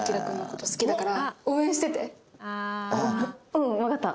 うんわかった！